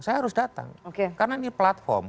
saya harus datang karena ini platform